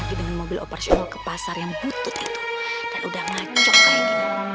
kamu akan saya pecat